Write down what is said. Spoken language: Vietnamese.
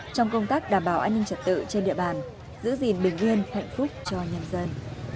trong công tác đảm bảo an ninh trật tự trên địa bàn giữ gìn bình yên hạnh phúc cho nhân dân